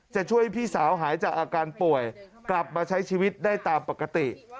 จะช่วยพี่สาวหายจากอาการป่วยกลับมาใช้ชีวิตได้ตามปกติ